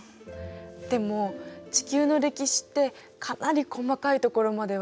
でも地球の歴史ってかなり細かいところまでわかってるんでしょ。